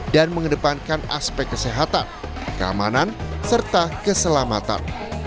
dan mengedepankan aspek kesehatan keamanan serta keselamatan